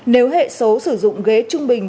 nếu hệ số sử dụng ghế trung bình